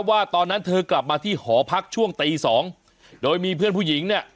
ว่าตอนนั้นเธอกลับมาที่หอพักช่วงตีสองโดยมีเพื่อนผู้หญิงเนี่ย